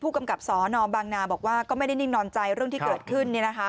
กำกับสนบางนาบอกว่าก็ไม่ได้นิ่งนอนใจเรื่องที่เกิดขึ้น